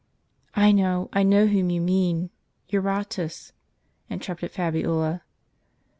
"I know, I know whom you mean, — Eurotas," interrupted Fabiola.